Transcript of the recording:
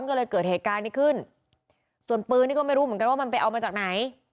ก็เลยเกิดเหตุการณ์นี้ขึ้นส่วนปืนนี่ก็ไม่รู้เหมือนกันว่ามันไปเอามาจากไหน